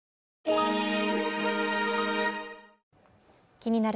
「気になる！